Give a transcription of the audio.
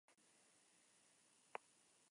Marta era la más joven de tres hermanos.